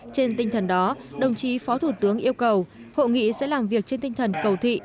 trên tinh thần đó đồng chí phó thủ tướng yêu cầu hội nghị sẽ làm việc trên tinh thần cầu thị